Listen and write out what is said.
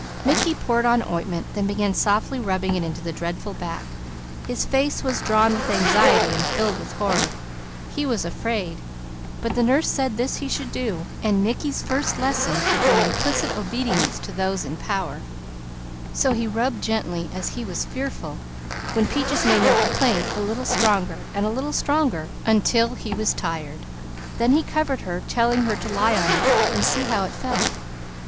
Mickey poured on ointment, then began softly rubbing it into the dreadful back. His face was drawn with anxiety and filled with horror. He was afraid, but the nurse said this he should do, while Mickey's first lesson had been implicit obedience. So he rubbed gently as he was fearful; when Peaches made no complaint, a little stronger, and a little stronger, until he was tired. Then he covered her, telling her to lie on it, and see how it felt.